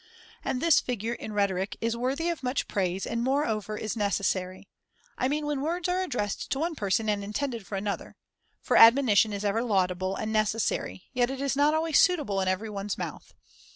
And this figure in rhetoric is worthy of much praise, and moreover is necessary ; I mean when words are addressed to one person and intended for another ; for admonition is ever laudable and necessary, yet it is not always suitable in every one's mouth.